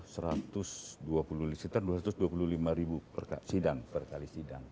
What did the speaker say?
satu ratus dua puluh sekitar dua ratus dua puluh lima ribu persidangan